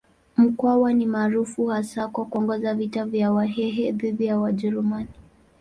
Mkwawa ni maarufu hasa kwa kuongoza vita vya Wahehe dhidi ya Wajerumani.